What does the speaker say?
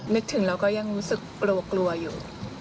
นึกถึงเราก็ยังรู้สึกกลัวกลัวอยู่